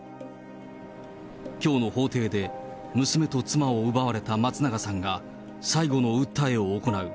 きょうの法廷で、娘と妻を奪われた松永さんが最後の訴えを行う。